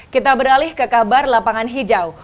kita beralih ke kabar lapangan hijau